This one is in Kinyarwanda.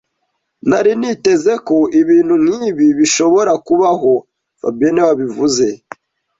Nari niteze ko ibintu nkibi bishobora kubaho fabien niwe wabivuze